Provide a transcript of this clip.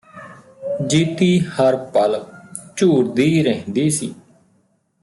ਜੀਤੀ ਹਰ ਪਲ ਝੂਰਦੀ ਰਹਿੰਦੀ ਸੀ